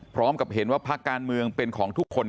พร้อมกับเห็นว่าภาคการเมืองเป็นของทุกคน